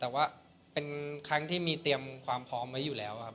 แต่ว่าเป็นครั้งที่มีเตรียมความพร้อมไว้อยู่แล้วครับ